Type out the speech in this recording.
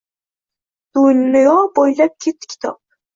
Dunyo boʼylab ketdi kitob